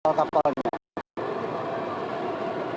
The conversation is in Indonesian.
dan sekarang kita meniru